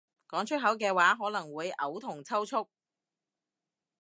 講出口嘅話可能會嘔同抽搐